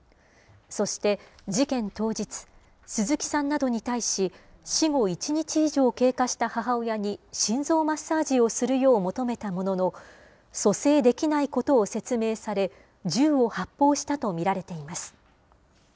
そして事件当日、鈴木さんなどに対し、死後１日以上経過した母親に心臓マッサージをするよう求めたものの、蘇生できないことを説明され、銃を発砲したと見られています。